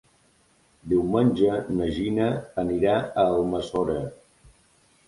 Diumenge na Gina anirà a Almassora.